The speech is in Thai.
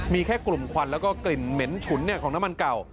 มีแค่กลุ่มควันแล้วก็กลิ่นเหม็นฉุนของน้ำมันเก่า